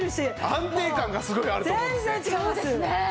安定感がすごいあると思うんですね。